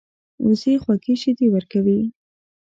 وزې خوږې شیدې ورکوي